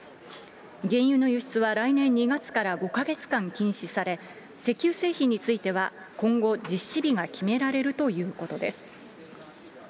原油の輸出は来年２月から５か月間禁止され、石油製品については、今後、実施日が決められるということです。